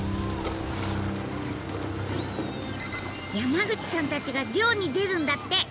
山口さんたちが漁に出るんだって！